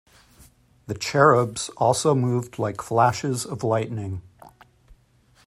The cherubs also moved like flashes of lightning.